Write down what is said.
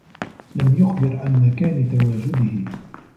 لم يخبر عن مكان تواجده.